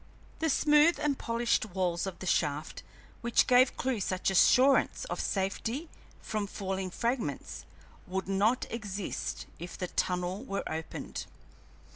The smooth and polished walls of the shaft, which gave Clewe such assurance of safety from falling fragments, would not exist if the tunnel were opened.